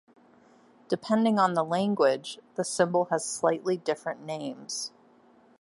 Depending on the language, the symbol has slightly different names.